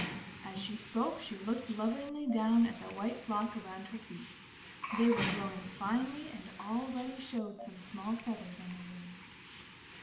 As she spoke she looked lovingly down at the white flock around her feet. They were growing finely and already showed some small feathers on their wings.